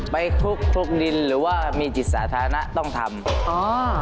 ไปคุกทุกดินหรือว่ามีจิตสาธารณะต้องทำอ๋อ